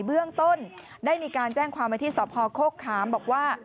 เบื้องต้นได้มีการแจ้งความไว้ที่สพโคกขามบอกว่า